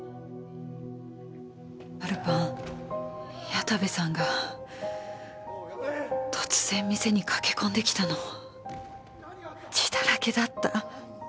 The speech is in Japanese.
ある晩矢田部さんが突然店に駆け込んできたの。血だらけだった。